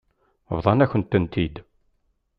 Bḍant-akent-tent-id.